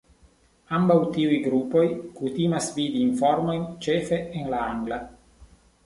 Ambaŭ tiuj grupoj kutimas vidi informojn ĉefe en la angla.